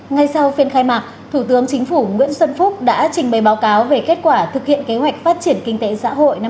ngay sau phiên khai mạc thủ tướng chính phủ nguyễn xuân phúc đã trình bày báo cáo về kết quả thực hiện kế hoạch phát triển kinh tế xã hội năm hai nghìn hai mươi